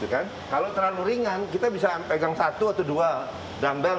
kalau terlalu ringan kita bisa pegang satu atau dua dumbbell